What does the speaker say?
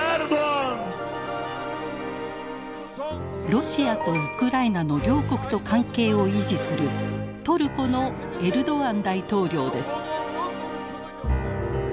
ロシアとウクライナの両国と関係を維持するトルコのエルドアン大統領です。